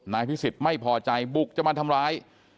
นายพิสิทธิ์ไม่พอใจบุกจะมาทำร้าย